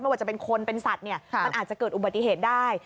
ว่าจะเป็นคนเป็นสัตว์เนี่ยมันอาจจะเกิดอุบัติเหตุได้